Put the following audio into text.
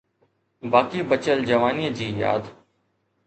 باقي بچيل جوانيءَ جي ياد.